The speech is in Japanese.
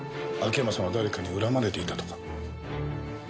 秋山さんは誰かに恨まれていたとか。